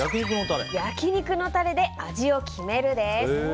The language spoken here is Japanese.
焼き肉のタレで味を決める！です。